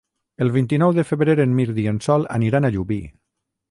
El vint-i-nou de febrer en Mirt i en Sol aniran a Llubí.